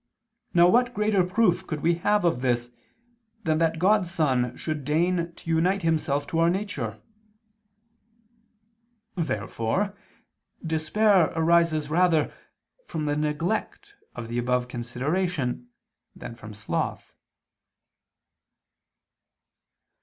Now what greater proof could we have of this than that God's Son should deign to unite Himself to our nature?" Therefore despair arises rather from the neglect of the above consideration than from sloth.